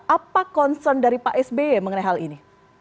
apa concern dari pak sby mengenai hal ini